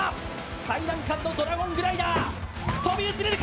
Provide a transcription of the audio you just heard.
最難関のドラゴングライダー飛び移れるか？